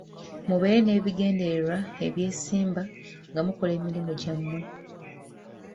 Mubeere n'ebigendererwa eby'essimba nga mukola emirimu gyammwe.